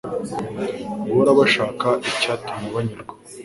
guhora bashaka icyatuma banyurwa